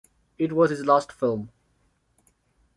It was his last film.